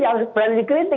jangan jadi kritik